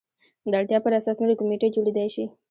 د اړتیا پر اساس نورې کمیټې جوړېدای شي.